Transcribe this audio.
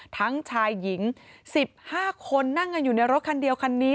ทั้งชายหญิง๑๕คนนั่งกันอยู่ในรถคันเดียวคันนี้